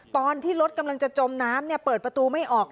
ตอนที่รถกำลังจะจมน้ำเปิดประตูไม่ออก